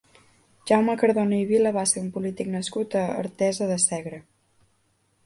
Jaume Cardona i Vila va ser un polític nascut a Artesa de Segre.